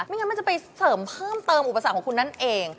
ไม่งั้นมันจะไปเสริมเพิ่มอุปสรรคคุณนั่นเอง